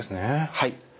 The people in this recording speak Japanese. はい。